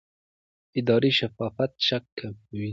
اداري شفافیت شک کموي